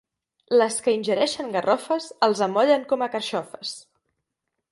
Les que ingereixen garrofes, els amollen com a carxofes.